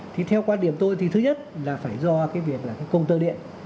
thì theo quan điểm tôi thì thứ nhất là phải do cái việc là cái công tơ điện